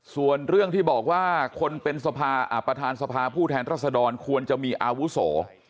ส่วนเรื่องที่บอกว่าคนเป็นประธานสภาผู้แทนรัศดรควรจะมีอาวุโส